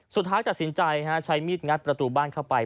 สุดท้ายตัดสินใจใช้มีดงัดประตูบ้านเข้าไป